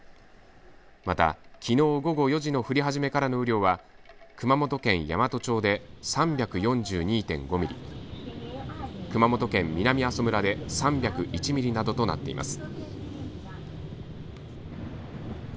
また、きのう午後４時の降り始めからの雨量は熊本県山都町で３４２．５ミリ熊本県南阿蘇村で３０１ミリなどとなっています。